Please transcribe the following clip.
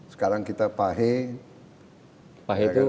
sekarang kita pahe